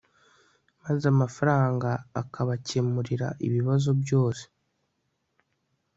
maze amafaranga akabakemurira ibibazo byose